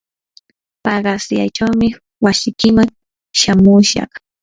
paqasyaychawmi wasikiman shamushaq.